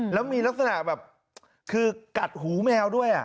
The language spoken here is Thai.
แล้วมีลักษณะแบบคือกัดหูแมวด้วย